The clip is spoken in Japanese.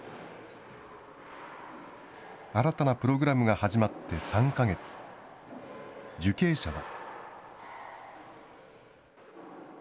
新たなプログラムが始まって３か月、受刑者は。